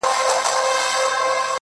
د ښکلا د دُنیا موري، د شرابو د خُم لوري.